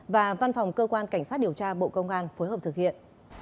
và văn phòng cơ quan cảnh sát điều tra bộ công an phối hợp thực hiện